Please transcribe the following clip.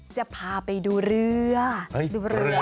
จะพาไปดูเรื่อ